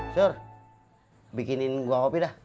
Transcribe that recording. sor bikinin gua kopi dah